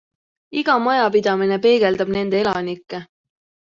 Iga majapidamine peegeldab nende elanikke.